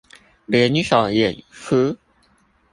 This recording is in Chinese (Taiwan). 聯手演出